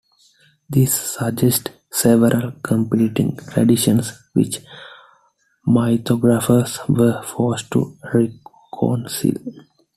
This suggests several competing traditions, which mythographers were forced to reconcile.